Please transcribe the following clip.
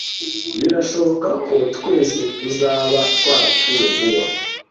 Birashoboka ko twese tuzaba twarapfuye vuba.